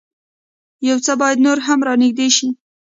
يو څه بايد نور هم را نېږدې شي.